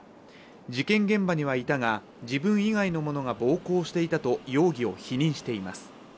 事件現場にはいたが自分以外の者が暴行していたと容疑を否認しています。